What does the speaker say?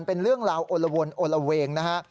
เป็นเรื่องราวโอละวนโอละเวงนะฮะ